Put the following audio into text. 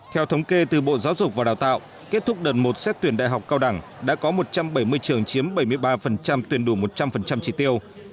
theo thống kê từ bộ giáo dục và đào tạo kết thúc đợt một xét tuyển đại học cao đẳng đã có một trăm bảy mươi trường chiếm bảy mươi ba tuyển đủ một trăm linh trị tiêu